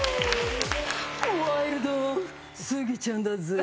ワイルドスギちゃんだぜぇ。